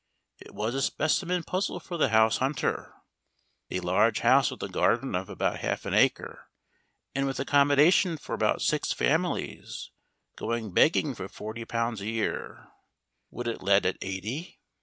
It was a specimen puzzle for the house hunter. A large house with a garden of about half an acre, and with accommodation for about six families, going begging for £40 a year. Would it let at eighty?